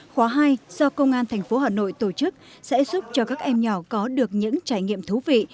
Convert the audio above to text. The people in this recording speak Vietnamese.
khóa hai do công an thành phố hà nội tổ chức sẽ giúp cho các em nhỏ có được những trải nghiệm thú vị